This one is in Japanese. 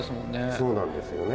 そうなんですよね。